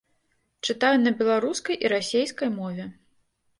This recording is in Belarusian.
Чытаю на беларускай і расейскай мове.